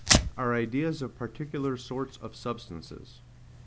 Our ideas of particular Sorts of Substances.